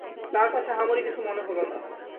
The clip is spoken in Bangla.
তাঁর কাছে আহামরি কিছু মনে হল না।